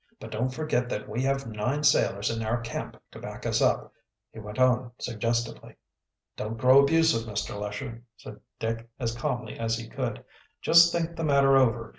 But don't forget that we have nine sailors in our camp to back us up," he went on suggestively. "Don't grow abusive, Mr. Lesher," said Dick as calmly as he could. "Just think the matter over.